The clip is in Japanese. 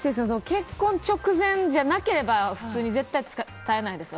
結婚直前じゃなければ普通に絶対伝えないです。